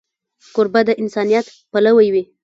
کوربه د انسانیت پلوی وي.